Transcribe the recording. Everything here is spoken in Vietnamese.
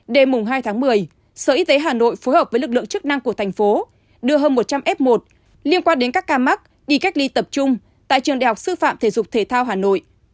đêm hai tháng một mươi sở y tế hà nội phối hợp với lực lượng chức năng của thành phố đưa hơn một trăm linh f một liên quan đến các ca mắc đi cách ly tập trung tại trường đại học sư phạm thể dục thể thao hà nội